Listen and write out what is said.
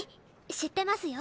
知ってますよ。